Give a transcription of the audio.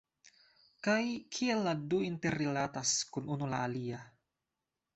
Kaj kiel la du interrilatas kun unu la alia